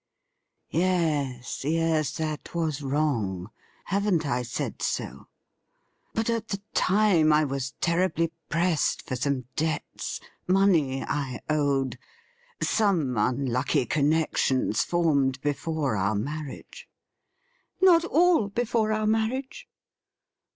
' Yes, yes, that was wrong ; haven't I said so ? But at the time I was ten ibly pressed for some debts — money I owed — some unlucky connections formed before our marriage.' ' Not all before our marriage.'